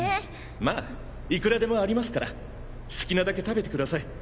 まあいくらでもありますから好きなだけ食べてください。